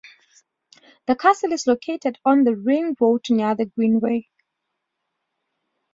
The castle is located at on the ring road near the greenway.